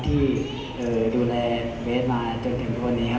ที่ดูแลเบสมาจนถึงทุกวันนี้ครับ